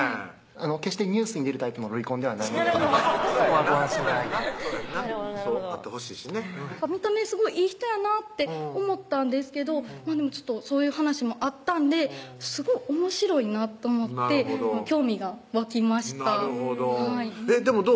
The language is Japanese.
決してニュースに出るタイプのロリコンではないのでそうやんなそうやんなそうあってほしいしね見た目すごいいい人やなって思ったんですけどそういう話もあったんですごいおもしろいなと思って興味が湧きましたなるほどでもどう？